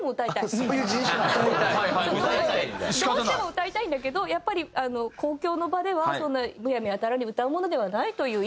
どうしても歌いたいんだけどやっぱり公共の場ではむやみやたらに歌うものではないという意識も一応あるんです。